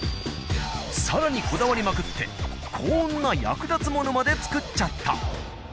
更にこだわりまくってこんな役立つものまでつくっちゃった。